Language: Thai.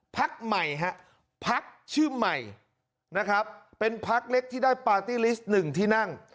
พักใหม่ฮะพักชื่อใหม่นะครับเป็นพักเล็กที่ได้ปาร์ตี้ลิสต์๑ที่นั่ง